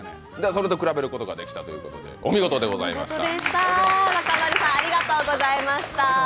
それと比べることができたということでお見事でございました。